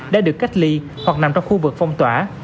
đã được cách ly hoặc nằm trong khu vực phong tỏa